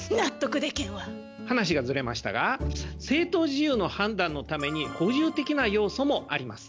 話がずれましたが正当事由の判断のために補充的な要素もあります。